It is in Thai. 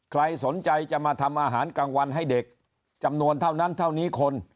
ใครสนใจจะมาทำอาหารกลางวันให้เด็กจำนวนเท่านั้นเท่านี้คน